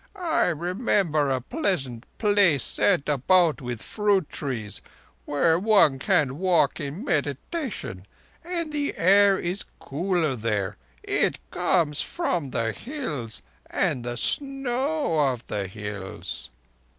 "I remember a pleasant place, set about with fruit trees, where one can walk in meditation—and the air is cooler there. It comes from the Hills and the snow of the Hills."